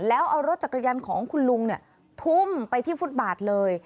แล้วเอารถจักรยานของคุณลุงทุ่มไปที่ฟุตบาทเลย